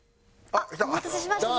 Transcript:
お待たせしました。